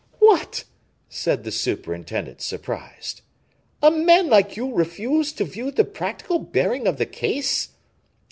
"What!" said the superintendent, surprised, "a man like you refuse to view the practical bearing of the case!